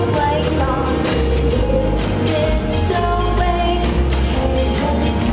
ได้พบกันอากาศให้เจ็บความเศร้า